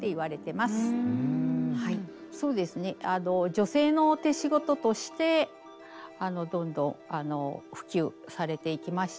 女性の手仕事としてどんどんあの普及されていきました。